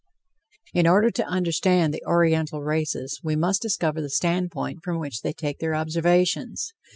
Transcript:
In order to understand the Oriental races, we must discover the standpoint from which they take their observations.